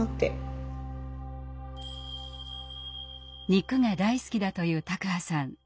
肉が大好きだという卓巴さん。